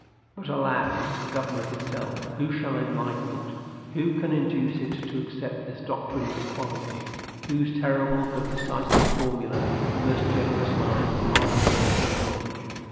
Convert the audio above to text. But, alas! the government itself, who shall enlighten it? Who can induce it to accept this doctrine of equality, whose terrible but decisive formula the most generous minds hardly dare to acknowledge?...